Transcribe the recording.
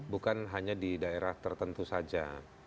bukan hanya di daerah tertentu saja